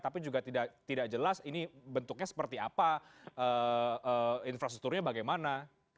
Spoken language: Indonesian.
tapi juga tidak jelas ini bentuknya seperti apa infrastrukturnya bagaimana